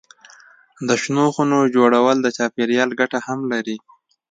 د شنو خونو جوړول د چاپېریال ګټه هم لري.